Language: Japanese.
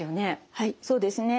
はいそうですね。